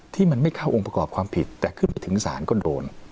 ที่มันไม่เข้าองค์ประกอบความผิดแต่ขึ้นไปถึงศาลก็โดน